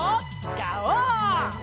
ガオー！